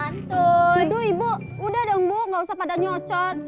tidur ibu udah dong bu nggak usah pada nyocot